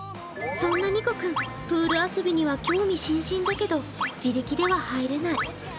そんなニコくん、プール遊びには興味津々だけど自力では入れない。